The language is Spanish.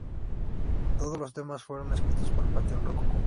Todos los temas fueron escritos por Panteón Rococó.